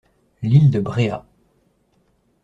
L’île de Bréhat.